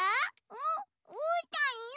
う？うーたんの！